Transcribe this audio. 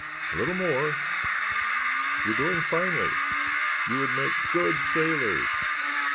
A little more. You're doing finely. You would make good sailors.